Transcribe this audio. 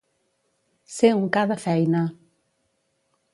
Ser un ca de feina.